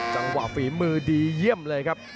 ฝีมือดีเยี่ยมเลยครับ